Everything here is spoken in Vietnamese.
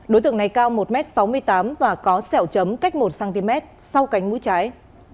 đối tượng này cao một m sáu mươi tám và có sẹo chấm cách một cm sau cánh mũi trái